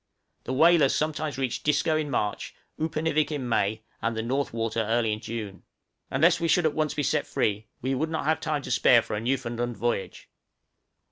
The whalers sometimes reach Disco in March, Upernivik in May, and the North Water early in June. Unless we should be at once set free, we would not have time to spare for a Newfoundland voyage.